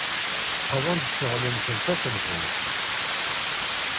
Qḍan-d ccɣel-nsen taṣebḥit.